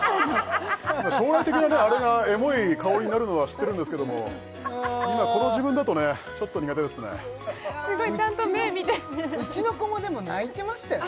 将来的にはあれがエモい香りになるのは知ってるんですけども今この自分だとねちょっと苦手ですねうちの子もでも泣いてましたよ